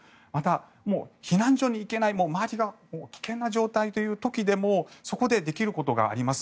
避難所に行けない周りが危険な状態という時でもそこでできることがあります。